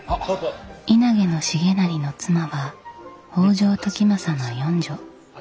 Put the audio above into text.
稲毛重成の妻は北条時政の四女。